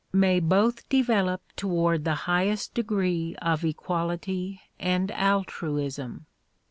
May both develop toward the highest degree of equality and altruism.